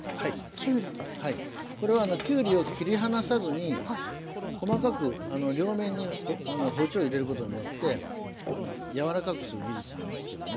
はいこれはきゅうりを切り離さずに細かく両面に包丁を入れることによってやわらかくする技術なんですけども。